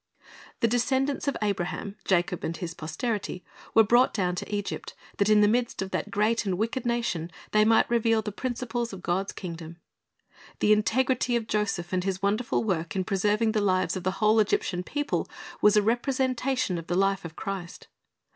"^ The descendants of Abraham, Jacob and his posterity, were brought down to Egypt, that in the midst of that great and wicked nation they might reveal the principles of God's kingdom. The integrity of Joseph and his wonderful work in preserving the lives of the whole Egyptian people, was a representation of the life of Christ.